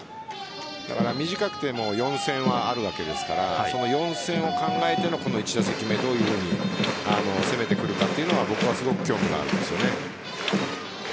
だから短くても４戦はあるわけですからその４戦を考えてのこの１打席目、どういうふうに攻めてくるかというのは僕はすごく興味があります。